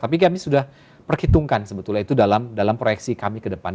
tapi kami sudah perhitungkan sebetulnya itu dalam proyeksi kami ke depan